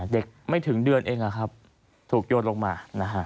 เด็กไม่ถึงเดือนเองครับถูกโยนลงมา